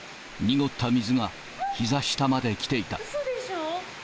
濁った水がひざ下まで来ていた。